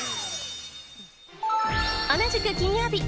同じく、金曜日。